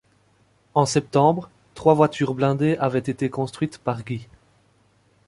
En septembre, trois voitures blindées avait été construites par Guy.